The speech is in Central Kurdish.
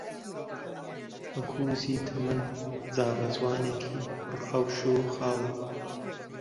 بەکووزی تەمەن جاڕەجوانێکی پڕ خەوش و خاڵە،